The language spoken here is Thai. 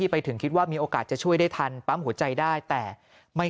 ไปถึงคิดว่ามีโอกาสจะช่วยได้ทันปั๊มหัวใจได้แต่ไม่